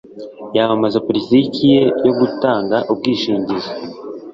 Yamamaza politiki ye yo gutanga ubwishingizi